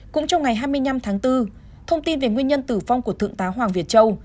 cũng trong ngày hai mươi năm tháng bốn thông tin về nguyên nhân tử vong của thượng tá hoàng việt châu